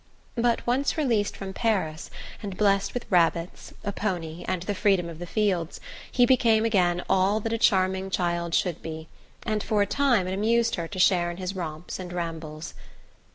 But once released from Paris, and blessed with rabbits, a poney and the freedom of the fields, he became again all that a charming child should be, and for a time it amused her to share in his romps and rambles.